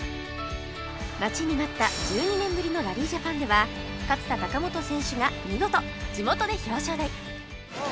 待ちに待った１２年ぶりのラリージャパンでは勝田貴元選手が見事地元で表彰台